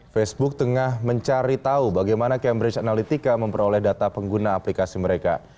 facebook tengah mencari tahu bagaimana cambridge analytica memperoleh data pengguna aplikasi mereka